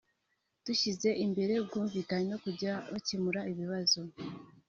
dushyize imbere ubwumvikane no kujya bakemura ibibazo